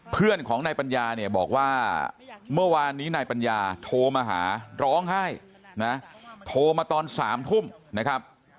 เพื่อนของนายปัญญาเนี่ยบอกว่าเมื่อวานนี้นายปัญญาโทรมาหาร้องไห้นะโทรมาตอน๓ทุ่มนะครับ